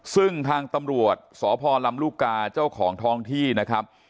ซึ่งทางตำรวจสพลำลูกกาเจ้าของท้องที่นะครับ